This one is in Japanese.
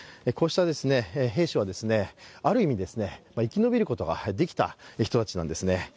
こうした兵士はある意味生き延びることができた人たちなんですね。